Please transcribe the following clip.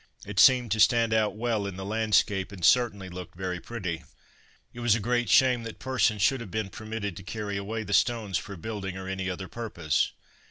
It seemed to stand out well in the landscape, and certainly looked very pretty. It was a great shame that persons should have been permitted to carry away the stones for building or any other purpose.